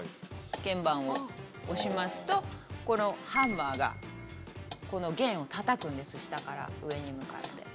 鍵盤を押しますとこのハンマーがこの弦をたたくんです下から上に向かって。